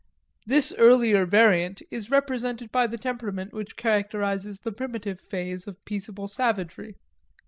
This earlier variant is represented by the temperament which characterizes the primitive phase of peaceable savagery.